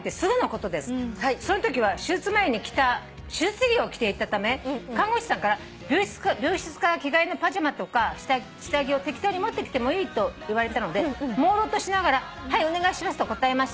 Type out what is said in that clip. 「そのときは手術前に着た手術着を着ていたため看護師さんから病室から着替えのパジャマとか下着を適当に持ってきてもいい？と言われたのでもうろうとしながらはいお願いしますと答えました」